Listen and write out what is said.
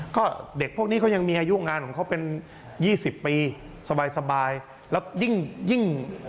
ก็เด็กพวกนี้เขายังมีอายุงานของเขาเป็นยี่สิบปีสบายสบายแล้วยิ่งยิ่ง